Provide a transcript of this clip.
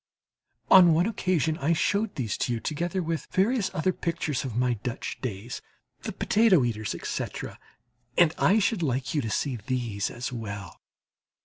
On one occasion I showed these to you, together with various other pictures of my Dutch days, the "Potato Eaters," etc., and I should like you to see these as well.